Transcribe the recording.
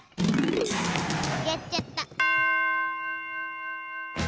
やっちゃった。